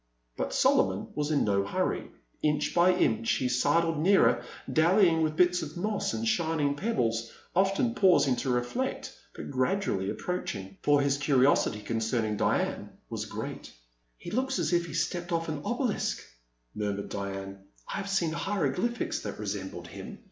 But Solomon was in no hurry. Inch by inch he sidled nearer, dallying with bits of moss and shining pebbles, often pausing to reflect, but gradually approaching, for his curiosity concern ing Diane was great. 1. The Silent Land. 1 1 9 '' He looks as if he had stepped off an obelisk, '' murmured Diane; I have seen hieroglyphics that resembled him.